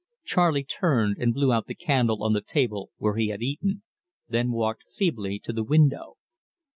Charley turned and blew out the candle on the table where he had eaten, then walked feebly to the window.